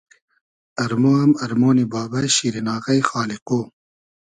ارمۉ ام ارمۉنی بابۂ ، شیرین آغݷ ، خالیقۉ